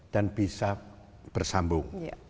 dan bisa bersambung